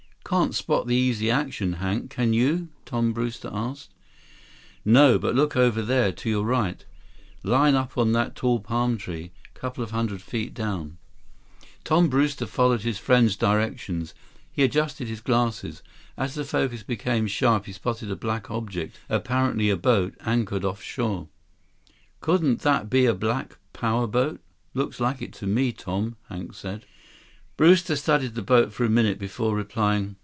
"Can't spot the Easy Action, Hank. Can you?" Tom Brewster asked. "No. But look over there. To your right. Line up on that tall palm tree, couple hundred feet down." 124 Tom Brewster followed his friend's directions. He adjusted his glasses. As the focus became sharp, he spotted a black object, apparently a boat, anchored off shore. "Couldn't that be a black power boat? Looks like it to me, Tom," Hank said. Brewster studied the boat for a minute before replying.